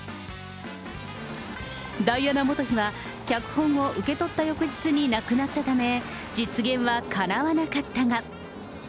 ダイアナ元妃は脚本を受け取った翌日に亡くなったため、実現はかなわなかったが。